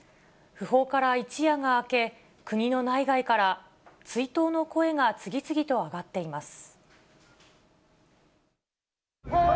訃報から一夜が明け、国の内外から追悼の声が次々と上がっています。